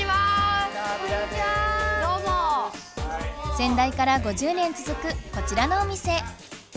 先代から５０年つづくこちらのお店。